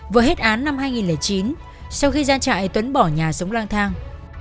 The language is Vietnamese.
vừa hết án năm hai nghìn chín sau khi gian trại tuấn bỏ nhà sống lang thang